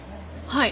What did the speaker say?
はい。